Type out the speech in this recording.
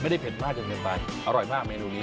ไม่ได้เผ็ดมากกว่าเป็นปลาอร่อยมากเมนูนี้